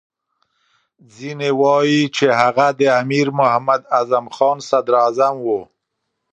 ځینې وایي چې هغه د امیر محمد اعظم خان صدراعظم وو.